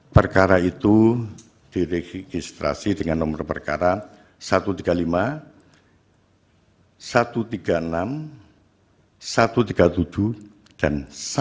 perkara itu diregistrasi dengan nomor perkara satu ratus tiga puluh lima satu ratus tiga puluh enam satu ratus tiga puluh tujuh dan satu ratus dua belas